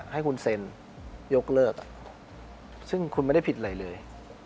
ให้คุณเซ็นยกเลิกซึ่งคุณไม่ได้ผิดอะไรเลย